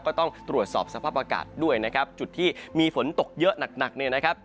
ก็ต้องตรวจสอบสภาพอากาศด้วยนะครับจุดที่มีฝนตกเยอะหนักหนักเนี่ยนะครับ